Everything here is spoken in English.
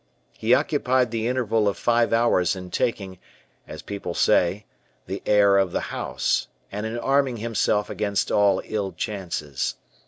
He occupied the interval of five hours in taking, as people say, the air of the house, and in arming himself against all ill chances.